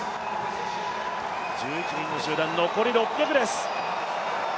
１１人の集団残り６００です。